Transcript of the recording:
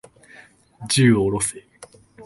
銃を下ろせ。